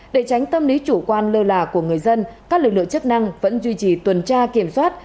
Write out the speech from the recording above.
để tránh tâm lý chủ quan lơ là của người dân các lực lượng chức năng vẫn duy trì tuần tra kiểm soát